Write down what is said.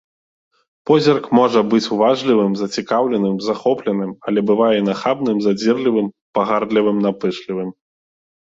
Позірк можа быць уважлівым, зацікаўленым, захопленым, але бывае і нахабным, задзірлівым, пагардлівым, напышлівым.